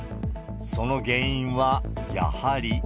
その原因はやはり。